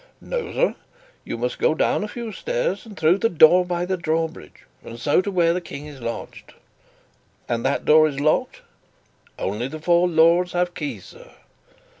"No, sir. You must go down a few stairs and through the door by the drawbridge, and so to where the King is lodged." "And that door is locked?" "Only the four lords have keys, sir."